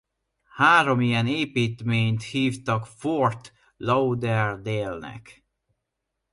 Három ilyen építményt hívtak Fort Lauderdale-nek.